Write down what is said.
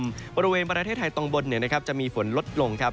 หรือสภาคมบริเวณประเทศไทยตรงบนจะมีฝนลดลง